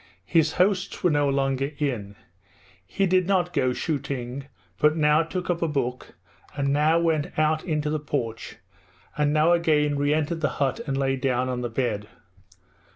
His hosts were no longer in. He did not go shooting, but now took up a book, and now went out into the porch, and now again re entered the hut and lay down on the bed.